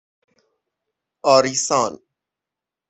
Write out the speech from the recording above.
آریسان